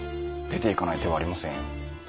出ていかない手はありませんよ。